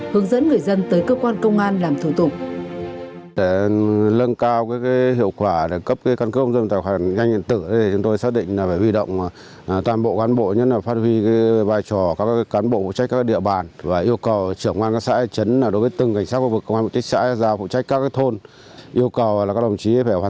hướng dẫn người dân tới cơ quan công an làm thủ tục